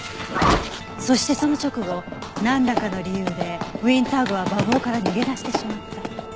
そしてその直後なんらかの理由でウィンター号は馬房から逃げ出してしまった。